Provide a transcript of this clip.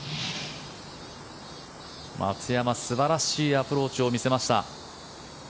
松山、素晴らしいアプローチを見せました。